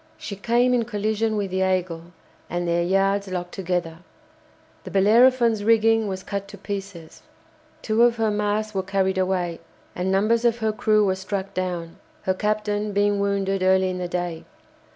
She came in collision with the "Aigle," and their yards locked together. The "Bellerophon's" rigging was cut to pieces; two of her masts were carried away, and numbers of her crew were struck down, her captain being wounded early in the day.